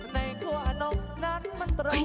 เฮ้ยโจรเก้